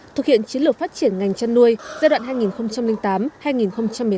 thực hiện chiến lược phát triển ngành chăn nuôi giai đoạn hai nghìn tám hai nghìn một mươi tám